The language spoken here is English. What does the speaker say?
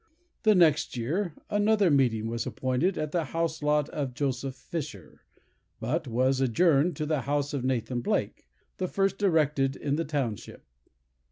The next year "another meeting was appointed at the house lot of Joseph Fisher, but was adjourned to the house of Nathan Blake, the first erected in the township."